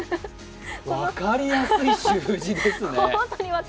分かりやすい習字ですね。